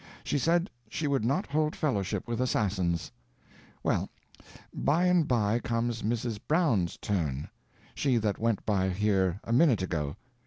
She said she would not hold fellowship with assassins. Well, by and by comes Mrs. Brown's turn she that went by here a minute ago.